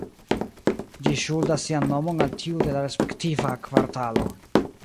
Ĝi ŝuldas sian nomon al tiu de la respektiva kvartalo.